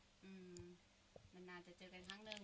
อืมนานจะเจอกันครั้งหนึ่ง